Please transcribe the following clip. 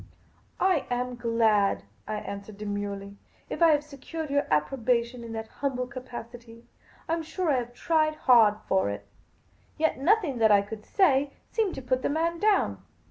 " I am glad," I answered demurely, " if I have secured your approbation in that humble capacity. I am sure I have tried hard for it." Yet nothing that I could say seemed to put the man down.